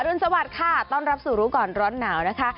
รุนสวัสดิ์ค่ะต้อนรับสู่รู้ก่อนร้อนหนาวนะคะ